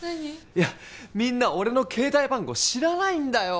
いやみんな俺の携帯番号知らないんだよ